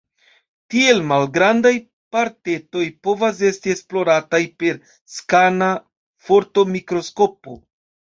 Tiel malgrandaj partetoj povas esti esplorataj per skana fortomikroskopo.